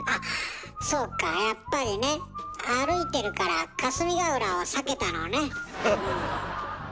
そうかやっぱりね歩いてるから霞ヶ浦を避けたのねうん。